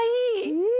うん！